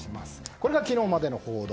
これが昨日までの報道。